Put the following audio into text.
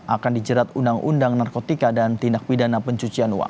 akan dijerat undang undang narkotika dan tindak pidana pencucian uang